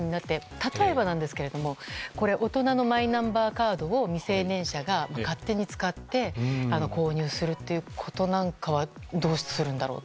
例えばなんですが大人のマイナンバーカードを未成年者が勝手に使って購入するということなんかはどうするんだろうと。